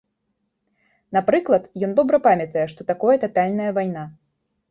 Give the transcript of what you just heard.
Напрыклад, ён добра памятае, што такое татальная вайна.